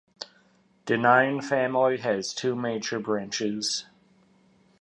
Dynein family has two major branches.